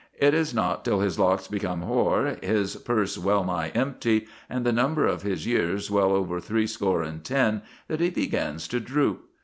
It is not till his locks become hoar, his purse well nigh empty, and the number of his years well over threescore and ten that he begins to droop.